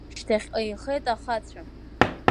Шьҭахьҟа еихеит ахацәа.